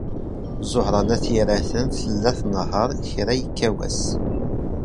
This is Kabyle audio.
Ẓuhṛa n At Yiraten tella tnehheṛ kra yekka wass.